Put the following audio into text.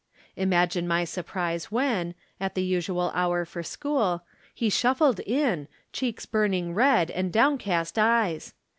Imagine my surprise when, at the usual hour for school, he shuffled in, cheeks burning red and downcast eyes.